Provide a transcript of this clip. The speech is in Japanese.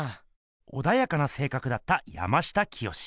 おだやかなせいかくだった山下清。